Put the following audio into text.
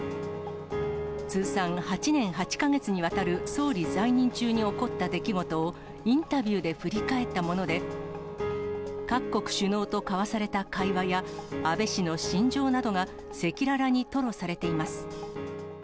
通算８年８か月にわたる総理在任中に起こった出来事を、インタビューで振り返ったもので、各国首脳と交わされた会話や、安倍氏の心情などが赤裸々に吐露されています。